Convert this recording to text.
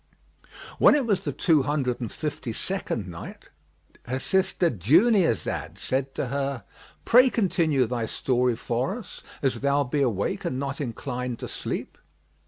When it was the Two Hundred and Fifty second Night, Her sister Dunyazad said to her, "Pray continue thy story for us, as thou be awake and not inclined to sleep."